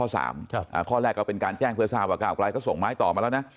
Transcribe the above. ใช่อ่าข้อแรกก็เป็นการแจ้งเพื่อสาวประกาศก็ส่งมาให้ต่อมาแล้วนะ